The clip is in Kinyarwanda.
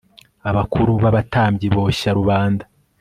abakuru b'abatambyi boshya rubanda